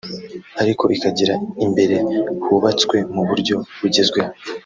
ariko ikagira imbere hubatswe mu buryo bugezweho